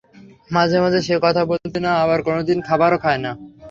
মাঝে মাঝে, সে কথা বলে না আবার কোনদিন খাবারও খায় না।